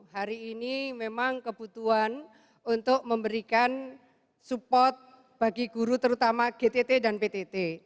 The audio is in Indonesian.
hari ini memang kebutuhan untuk memberikan support bagi guru terutama gtt dan ptt